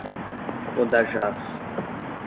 Codajás